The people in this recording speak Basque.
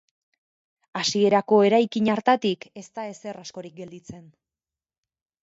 Hasierako eraikin hartatik ez da ezer askorik gelditzen.